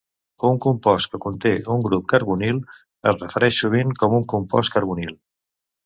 Un compost que conté un grup carbonil es refereix sovint com un compost carbonil.